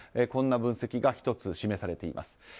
こんな分析が１つ示されています。